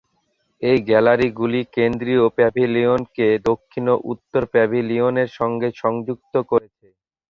এই গ্যালারিগুলি কেন্দ্রীয় প্যাভিলিয়নকে দক্ষিণ ও উত্তর প্যাভিলিয়নের সঙ্গে সংযুক্ত করেছে।